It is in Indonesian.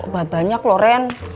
banyak loh ren